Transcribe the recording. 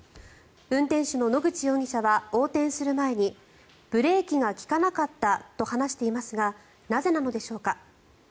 運転手の野口容疑者は横転する前にブレーキが利かなかったと話していますがなぜなのでしょうか。